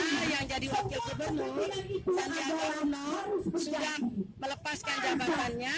saya yang jadi wakil gubernur sandiaga uno sudah melepaskan jabatannya